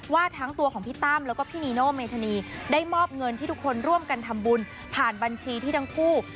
ว่าทั้งตัวของพี่ตั้มแล้วก็พี่นีโน่เมธานีได้มอบเงินที่ทุกคนร่วมกันทำบุญผ่านบัญชีที่ทั้งคู่